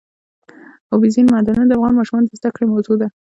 اوبزین معدنونه د افغان ماشومانو د زده کړې موضوع ده.